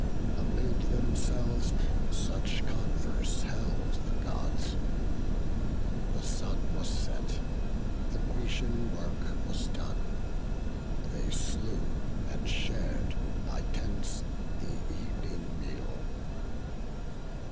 Amid themselves such converse held the Gods. The sun was set; the Grecian work was done; They slew, and shar'd, by tents, the ev'ning meal.